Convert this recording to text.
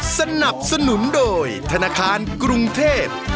สนับสนุนโดยธนาคารกรุงเทพ